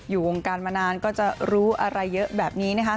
อยู่วงการมานานก็จะรู้อะไรเยอะแบบนี้นะคะ